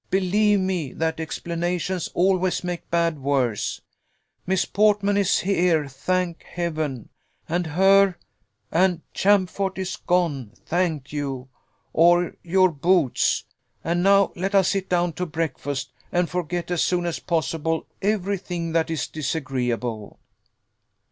"Believe me, that explanations always make bad worse. Miss Portman is here, thank Heaven! and her; and Champfort is gone, thank you or your boots. And now let us sit down to breakfast, and forget as soon as possible every thing that is disagreeable."